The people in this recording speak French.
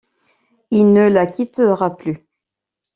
Il ne la quittera plus.